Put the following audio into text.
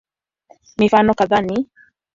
Mifano kadhaa ni